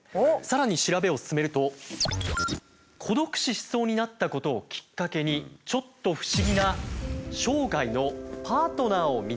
さらに調べを進めると孤独死しそうになったことをきっかけにちょっと不思議な生涯のパートナーを見つけたという女性を見つけました。